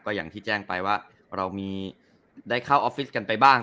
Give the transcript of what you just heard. อย่างที่แจ้งไปว่าเรามีได้เข้าออฟฟิศกันไปบ้าง